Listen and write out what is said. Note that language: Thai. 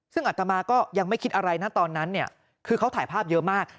ซึ่งอัตมาก็ยังไม่คิดอะไรนะตอนนั้นเนี่ยคือเขาถ่ายภาพเยอะมาก